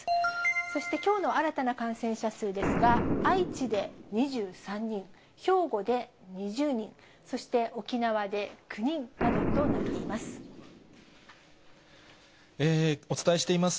そしてきょうの新たな感染者数ですが、愛知で２３人、兵庫で２０人、そして沖縄で９人などとなっています。